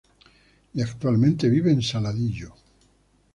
Y actualmente vive en Saladillo.